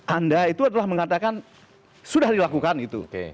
anda itu adalah mengatakan sudah dilakukan itu